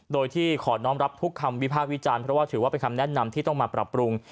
โดยที่ขอน้องรับทุกคำวิพากษ์วิจารณ์เพราะว่าถือว่าเป็นคำแนะนำที่ต้องมาปรับปรุง